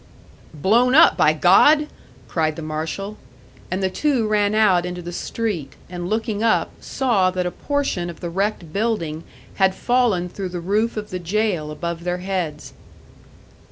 "Blown up, by God!" cried the marshal; and the two ran out into the street, and looking up, saw that a portion of the wrecked building had fallen through the roof of the jail above their heads.